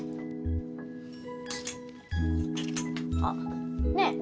あっねぇ？